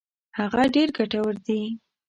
هغه ډېر ګټور دي.